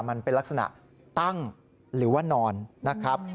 มันเป็นลักษณะตั้งหรือว่านอนนะครับ